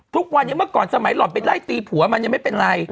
ทุกวันอย่างเมื่อก่อนว่าสมัยหล่อไปไล่ตีผัวยังไม่เป็นไร